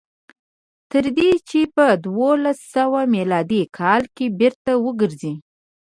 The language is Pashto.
تر دې چې په دولس سوه میلادي کال کې بېرته وګرځي.